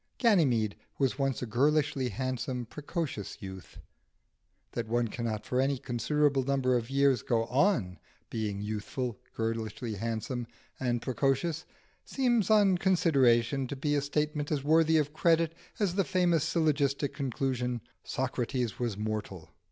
Ganymede was once a girlishly handsome precocious youth. That one cannot for any considerable number of years go on being youthful, girlishly handsome, and precocious, seems on consideration to be a statement as worthy of credit as the famous syllogistic conclusion, "Socrates was mortal."